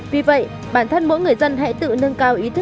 vì vậy bản thân mỗi người dân hãy tự nâng cao